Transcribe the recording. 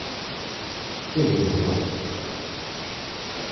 Foi moi doado.